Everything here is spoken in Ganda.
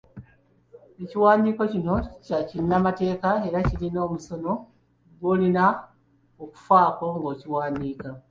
Ekiwandiiko kino kya kinnamateeka era kirina omusono gw'olina okufaako ng'okiwandiika.